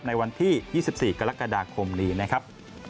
ในวันที่๒๔กรกฎาคมนี้นะครับ